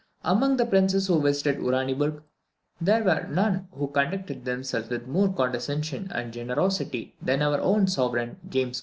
Among the princes who visited Uraniburg, there were none who conducted themselves with more condescension and generosity than our own sovereign, James VI.